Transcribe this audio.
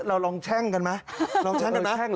เรารองแช่งกันไหม